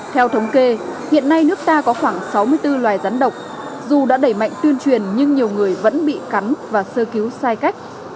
theo thống kê hiện nay nước ta có khoảng sáu mươi bốn loài rắn độc dù đã đẩy mạnh tuyên truyền nhưng nhiều người vẫn bị cắn và sơ cứu sai cách